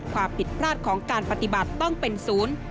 ความผิดพลาดของการปฏิบัติต้องเป็นศูนย์